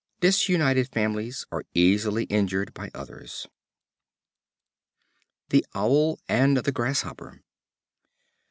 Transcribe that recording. Disunited families are easily injured by others. The Owl and the Grasshopper.